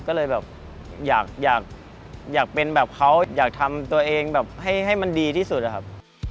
ก็เลยแบบอยากเป็นแบบเขาอยากทำตัวเองแบบให้มันดีที่สุดอะครับ